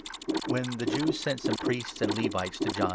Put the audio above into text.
When the Jews sent some Priests and Levites 19 nyto J°hn